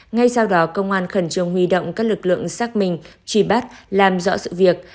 ngay sau đó công an khẩn trương huy động các lực lượng xác minh truy bắt làm rõ sự việc